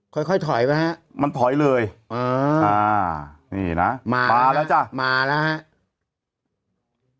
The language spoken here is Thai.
ค่อยค่อยถอยไปฮะมันถอยเลยเอออ่านี่นะมามาแล้วจ้ะมาแล้วฮะ